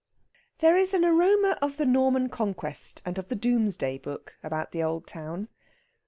There is an aroma of the Norman Conquest and of Domesday Book about the old town.